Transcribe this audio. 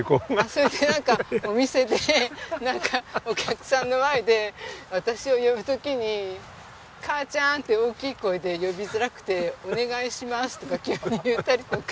それでなんかお店でお客さんの前で私を呼ぶ時に「母ちゃん！」って大きい声で呼びづらくて「お願いします」とか急に言ったりとか。